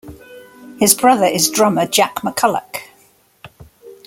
His brother is drummer Jack McCulloch.